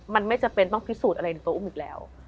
มันไม่จำเป็นต้องพิสูจน์อะไรในตัวอุ้มอีกแล้ว